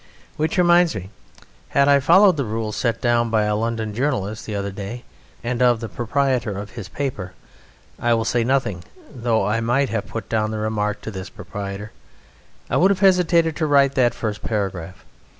Which reminds me: had I followed the rule set down by a London journalist the other day (and of the proprietor of his paper I will say nothing though I might have put down the remark to his proprietor) I would have hesitated to write that first paragraph.